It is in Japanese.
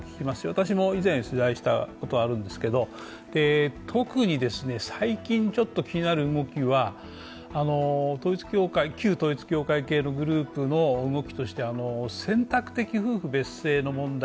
私も以前取材をしたことがあるんですが、特に、最近ちょっと気になる動きは旧統一教会系のグループの動きとして、選択的夫婦別姓の問題